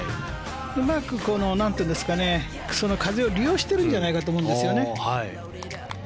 うまく風を利用してるんじゃないかと思うんですよね。